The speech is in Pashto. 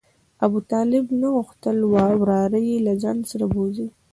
ابوطالب نه غوښتل وراره یې له ځان سره بوځي.